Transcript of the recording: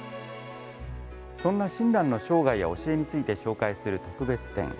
そんな親鸞の生涯や教えについて紹介する特別展